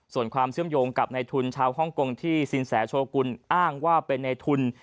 ส่วนความเชื่อมโยงกับในทุนชาวฮ่องกงที่สินแสโชกุลอ้างว่าเป็นในทุน